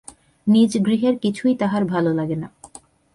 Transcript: নিজ গৃহের কিছুই তাঁহার ভালো লাগে না।